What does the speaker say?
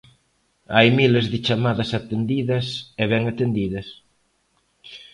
Hai miles de chamadas atendidas e ben atendidas.